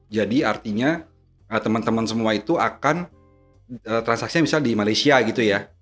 jadi makanya teman teman semua itu akan transaksinya misalnya di malaysia gitu ya